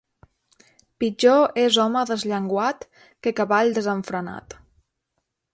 Pitjor és home desllenguat que cavall desenfrenat.